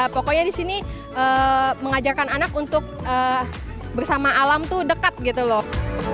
pokoknya di sini mengajarkan anak untuk bersama alam tuh dekat gitu loh